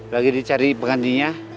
lagi dicari pengantinya